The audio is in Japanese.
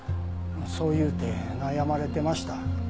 そう言うて悩まれてました。